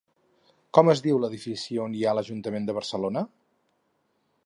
Com es diu l'edifici on hi ha l'Ajuntament de Barcelona?